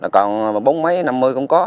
còn bốn mấy năm mươi cũng có